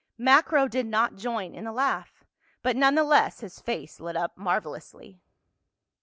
Macro did not join in the laugh, but none the less his face lit up marvelously.